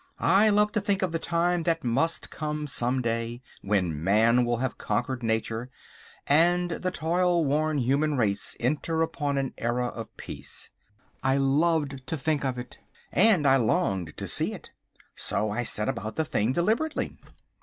I love to think of the time that must come some day when man will have conquered nature, and the toil worn human race enter upon an era of peace. I loved to think of it, and I longed to see it. So I set about the thing deliberately.